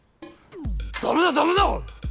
ダメだダメだ！